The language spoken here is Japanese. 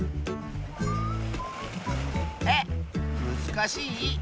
えっむずかしい？